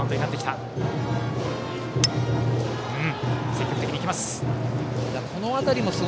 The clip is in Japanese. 積極的に行きます。